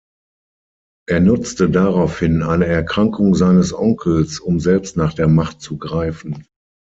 Er nutzte daraufhin eine Erkrankung seines Onkels, um selbst nach der Macht zu greifen.